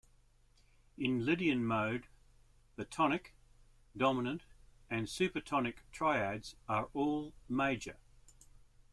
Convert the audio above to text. In Lydian mode, the tonic, dominant, and supertonic triads are all major.